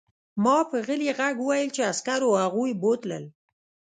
ما په غلي غږ وویل چې عسکرو هغوی بوتلل